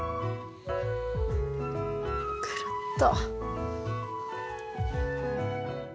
くるっと。